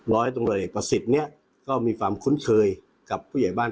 ร้อยตำรวจเอกประสิทธิ์เนี่ยก็มีความคุ้นเคยกับผู้ใหญ่บ้าน